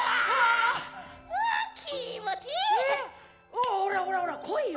ほらほらほら来いよ。